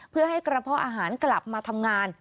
เพื่อให้กระเพาะอาหารกลับมาทำงาน